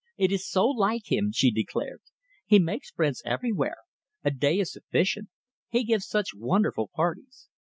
"It is so like him," she declared. "He makes friends everywhere. A day is sufficient. He gives such wonderful parties.